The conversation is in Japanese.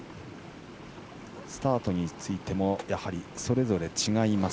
スタートについてもやはり、それぞれ違います。